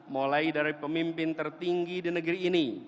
mulai dari pemimpin tertinggi di negeri ini